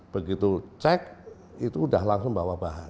begitu cek itu udah langsung bawa bahan